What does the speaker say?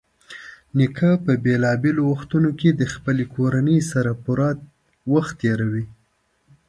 نیکه په بېلابېلو وختونو کې د خپلې کورنۍ سره پوره وخت تېروي.